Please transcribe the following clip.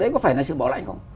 đấy có phải là sự bỏ lạnh không